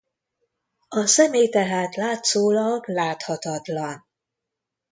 A személy tehát látszólag láthatatlan.